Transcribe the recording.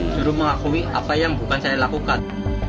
suruh mengakui apa yang bukan saya lakukan